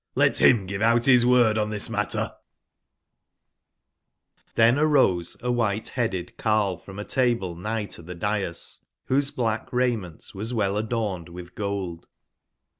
Let bim give out bis word on tbis matter/' r>G]S^ arose a wbitc/bcaded carle from a table nigb to tbe dais, wbose black raiment was welladomedwitbgold.